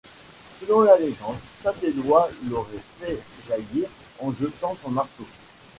Selon la légende, saint Éloi l'aurait fait jaillir en jetant son marteau.